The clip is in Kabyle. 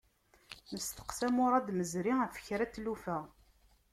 Nesteqsa Murad Mezri ɣef kra n tlufa.